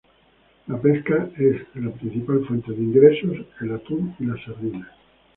La pesca es la principal fuente de ingresos, el atún y las sardinas.